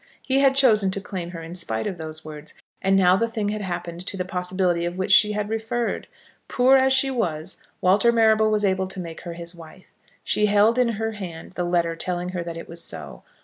He had chosen to claim her in spite of those words, and now the thing had happened to the possibility of which she had referred. Poor as she was, Walter Marrable was able to make her his wife. She held in her hand his letter telling her that it was so.